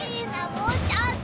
もうちょっと。